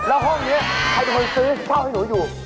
แล้วห้องนี้ใครจะค่อยซื้อเท่าให้หนูดู